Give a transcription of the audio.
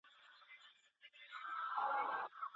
د پرمختګ زینه یوازي پوهو خلګو ته نه سي منسوبېدلای.